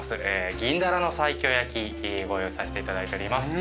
銀ダラの西京焼きご用意させていただいております。